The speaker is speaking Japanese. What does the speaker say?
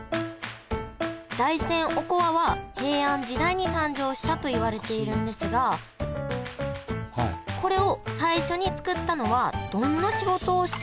大山おこわは平安時代に誕生したといわれているんですがこれを最初に作ったのはどんな仕事をしていた方でしょうか？